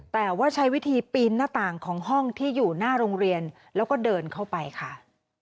แต่ว่าใช้วิธีปีนหน้าต่างของห้องที่อยู่หน้าโรงเรียนแล้วก็เดินเข้าไปค่ะ